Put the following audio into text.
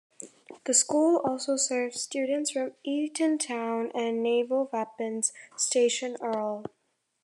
The school also serves students from Eatontown and Naval Weapons Station Earle.